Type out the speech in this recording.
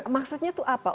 maksudnya itu apa